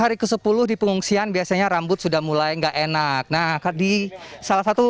hai hari ke sepuluh di pengungsian biasanya rambut sudah mulai enggak enak nah kali salah satu